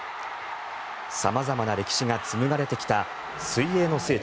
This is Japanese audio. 様々な歴史が紡がれてきた水泳の聖地